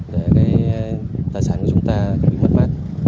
để tài sản của chúng ta không bị mất mát